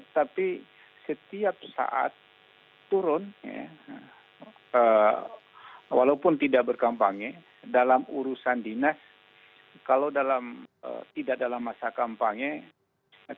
tapi setiap saat turun walaupun tidak berkampanye dalam urusan dinas kalau dalam tidak dalam masa kampanye